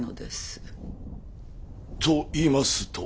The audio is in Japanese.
と言いますと？